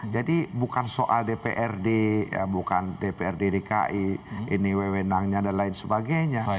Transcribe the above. jadi bukan soal dprd bukan dprd dki ini wewenangnya dan lain sebagainya